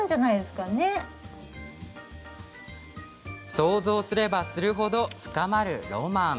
想像すればするほど深まるロマン。